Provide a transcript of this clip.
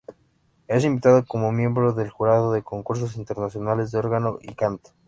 Es invitado como miembro del jurado de concursos internacionales de órgano y canto.